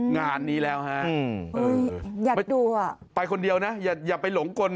งานนี้แล้วฮะอยากดูอ่ะไปคนเดียวนะอย่าไปหลงกล